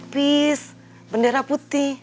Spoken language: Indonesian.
peace bendera putih